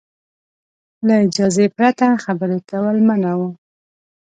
له اجازې پرته خبرې کول منع وو.